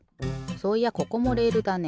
そういやここもレールだね。